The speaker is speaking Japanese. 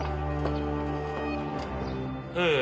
ええ。